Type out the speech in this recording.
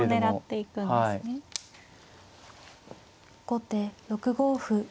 後手６五歩。